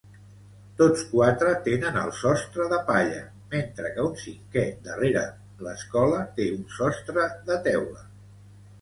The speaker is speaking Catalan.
Tots quatre tenen els sostres de palla, mentre que un cinquè darrera l'escola té un sostre de teula.